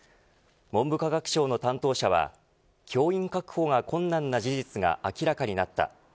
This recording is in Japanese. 文部科学省の担当者は教員確保が困難な事実が明らかになった。